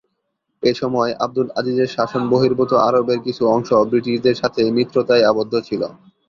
এসময় আবদুল আজিজের শাসন বহির্ভূত আরবের কিছু অংশ ব্রিটিশদের সাথে মিত্রতায় আবদ্ধ ছিল।